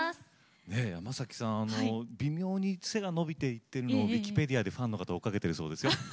山さん微妙に背が伸びていってるのをウィキペディアでファンの方は追っかけてるそうですよ。